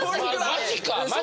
マジか？